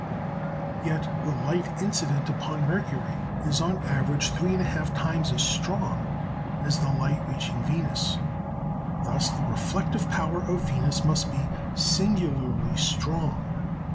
Yet the light incident upon Mercury is, on an average, three and a half times as strong as the light reaching Venus. Thus, the reflective power of Venus must be singularly strong.